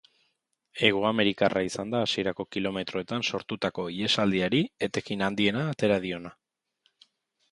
Hegoamerikarra izan da hasierako kilometroetan sortutako ihesaldiari etekin handiena atera diona.